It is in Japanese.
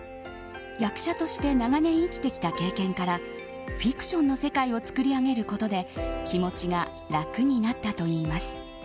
役者として長年生きてきた経験からフィクションの世界を作り上げることで気持ちが楽になったといいます。